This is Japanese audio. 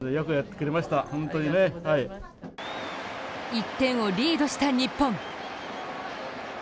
１点をリードした日本。